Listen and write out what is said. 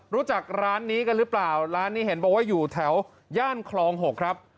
รู้จักร้านนี้กันหรือเปล่าร้านนี้เห็นบอกว่าอยู่แถวย่านคลอง๖ครับ